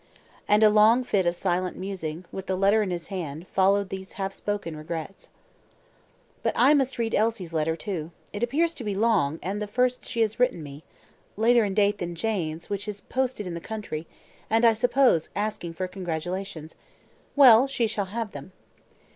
And a long fit of silent musing, with the letter in his hand, followed these half spoken regrets. "But I must read Elsie's letter too; it appears to be long, and the first she has written to me later in date than Jane's, which is posted in the country, and I suppose asking for congratulations well, she shall have them."